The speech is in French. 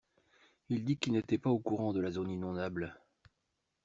Il dit qu’il n'était pas au courant de la zone inondable.